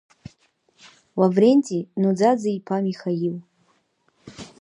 Лавренти Ноӡаӡе иԥа Михаил!